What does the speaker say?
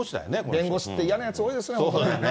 弁護士って嫌なやつ多いですね、本当ね。